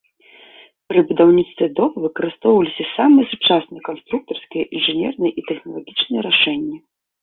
Пры будаўніцтве дома выкарыстоўваліся самыя сучасныя канструктарскія, інжынерныя і тэхналагічныя рашэнні.